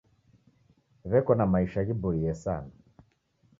W'eko na maisha ghiboie sana.